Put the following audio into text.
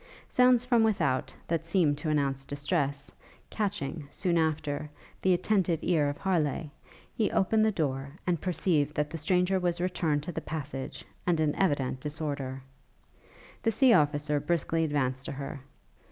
Sounds from without, that seemed to announce distress, catching, soon after, the attentive ear of Harleigh, he opened the door, and perceived that the stranger was returned to the passage, and in evident disorder. The sea officer briskly advanced to her.